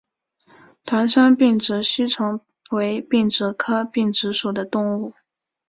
团山并殖吸虫为并殖科并殖属的动物。